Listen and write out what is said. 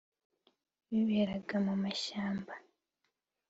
biberaga mu mashyamba